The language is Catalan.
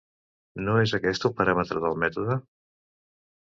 No és aquest un paràmetre del mètode?